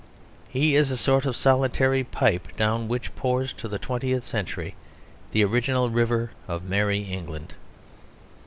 He is a sort of solitary pipe down which pours to the twentieth century the original river of Merry England.